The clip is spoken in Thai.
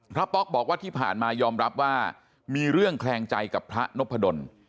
ป๊อกบอกว่าที่ผ่านมายอมรับว่ามีเรื่องแคลงใจกับพระนพดล